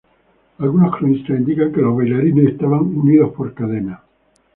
Algunos cronistas indican que los bailarines estaban unidos por cadenas.